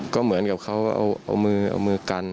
ก็เหมือนกับเขาเอามือกัน